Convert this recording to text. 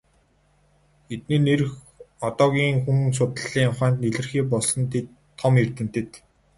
Эдний нэр одоогийн хүн судлалын ухаанд илэрхий болсон том эрдэмтэд.